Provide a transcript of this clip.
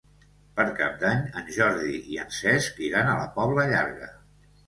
Per Cap d'Any en Jordi i en Cesc iran a la Pobla Llarga.